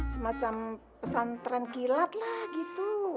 semacam pesan tranquilat lah gitu